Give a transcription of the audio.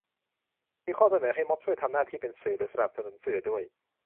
มีข้อเสนอให้ม็อบช่วยทำหน้าที่เป็นสื่อหรือสนับสนุนสื่อด้วย